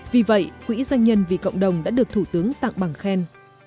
vì vậy quỹ doanh nhân vì cộng đồng đã được thủ tướng tặng bằng khen